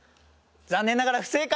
残念ながら不正解！